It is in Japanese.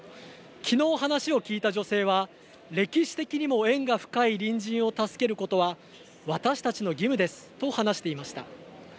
きのう話を聞いた女性は「歴史的にも縁が深い隣人を助けることは私たちの義務です」と話していました。